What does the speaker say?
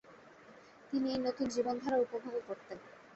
তিনি এই নতুন জীবনধারা উপভোগও করতেন।